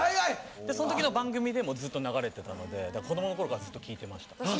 そん時の番組でずっと流れてたのでだから子どものころからずっと聴いてました。